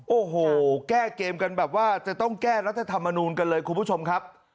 โอ้โหแก้เกมกันแบบว่าจะต้องแก้รัฐธรรมนูลกันเลยคุณผู้ชมครับ